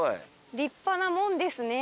立派な門ですね。